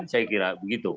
saya kira begitu